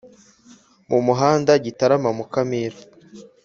Mu muhanda gitarama mukamira